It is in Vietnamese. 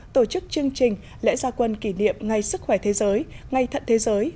tổ chức chương trình lễ gia quân kỷ niệm ngày sức khỏe thế giới ngày thận thế giới